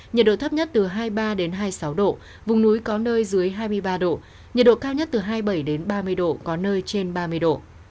nhiệt độ thấp nhất từ hai mươi ba hai mươi sáu độ vùng núi có nơi dưới hai mươi ba độ nhiệt độ cao nhất từ hai mươi bảy ba mươi độ có nơi trên ba mươi độ